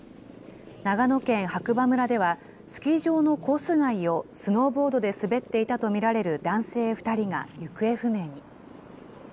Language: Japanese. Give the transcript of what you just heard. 長野県白馬村では、スキー場のコース外をスノーボードで滑っていたと見られる男性２人が行方不明に。